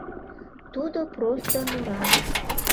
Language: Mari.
Тудо просто мура.